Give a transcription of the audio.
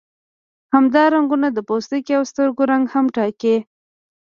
همدا رنګونه د پوستکي او سترګو رنګ هم ټاکي.